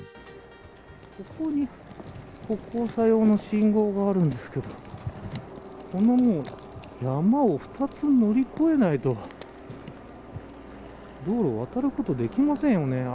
ここに歩行者用の信号があるんですけどこの山を２つ乗り越えないと道路渡ることができませんよね。